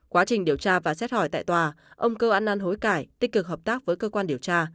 quá trình điều tra và xét hỏi tại tòa ông cơ an an hối cải tích cực hợp tác với cơ quan điều tra